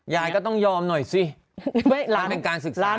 ยายก็ต้องยอมหน่อยสิมันเป็นการศึกษาของหลาน